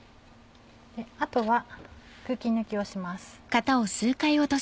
あとは空気抜きをします。